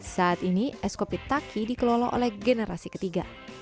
saat ini es kopi taki dikelola oleh generasi ketiga